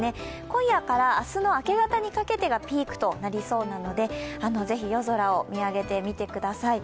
今夜から明日の明け方にかけてがピークとなりそうなのでぜひ夜空を見上げてみてください。